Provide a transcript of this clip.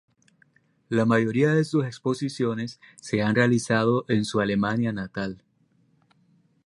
La mayoría de sus exposiciones se han realizado en su Alemania natal.